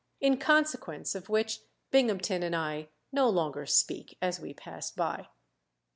_, in consequence of which Binghamton and I no longer speak as we pass by.